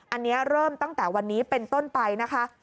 อันนี้เริ่มตั้งแต่วันนี้เป็นต้นไปนะคะ